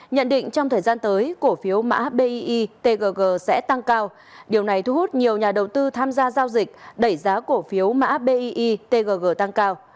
nhận định trong thời gian tới cổ phiếu mã bitg sẽ tăng cao điều này thu hút nhiều nhà đầu tư tham gia giao dịch đẩy giá cổ phiếu mã bi tgg tăng cao